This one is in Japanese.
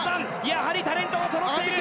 やはりタレントがそろっている。